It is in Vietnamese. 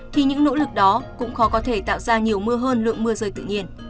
thì những nỗ lực đó cũng khó có thể tạo ra nhiều mưa hơn lượng mưa rơi tự nhiên